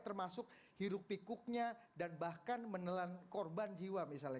termasuk hiruk pikuknya dan bahkan menelan korban jiwa misalnya